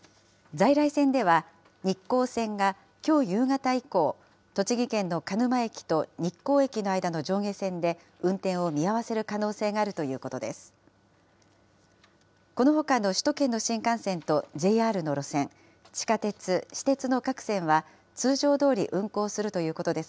在来線では、日光線が、きょう夕方以降、栃木県の鹿沼駅と日光駅の間の上下線で運転を見合わせる可能性があるということです。